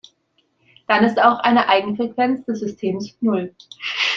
Dann ist auch eine Eigenfrequenz des Systems Null.